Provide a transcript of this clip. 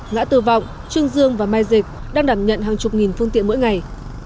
ngã tư vọng trương dương và mai dịch đang đảm nhận hàng chục nghìn phương tiện mỗi ngày